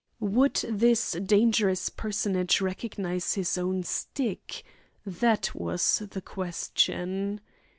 Would this dangerous personage recognise his own stick? that was the question.